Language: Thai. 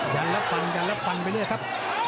ย้านระฟังย้านระฟังไปเรื่อยครับ